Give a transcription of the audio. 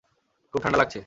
খুব ঠাণ্ডা লাগছে।